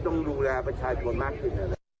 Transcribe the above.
ต้องดูแลประชาชนมากขึ้น